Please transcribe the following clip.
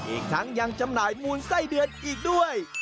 อีกทั้งยังจำหน่ายมูลไส้เดือนอีกด้วย